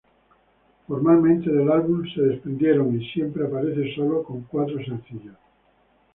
Formalmente del álbum se desprendieron y siempre aparece sólo con cuatro sencillos.